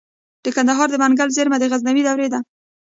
د کندهار د منگل زیرمه د غزنوي دورې ده